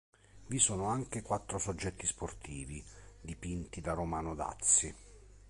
Vi sono anche quattro soggetti sportivi, dipinti da Romano Dazzi.